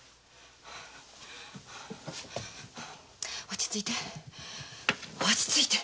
落ち着いて。